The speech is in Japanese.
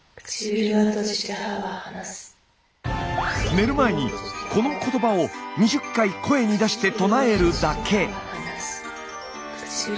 寝る前にこのことばを２０回声に出して唱えるだけ。